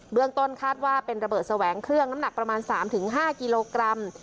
เรื่องต้นคาดว่าเป็นระเบิดแสวงเครื่องน้ำหนักประมาณ๓๕กิโลกรัม